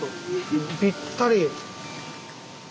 ぴったり！